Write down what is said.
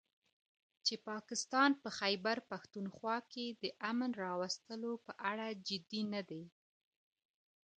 چې پاکستان په خيبرپښتونخوا کې د امن راوستلو په اړه جدي نه دی